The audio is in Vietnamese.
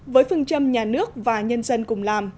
với phương châm nhà nước và nhân dân cùng làm